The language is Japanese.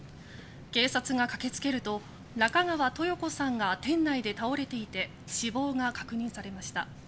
警察が駆け付けると中川トヨ子さんが店内で倒れていて死亡が確認されました。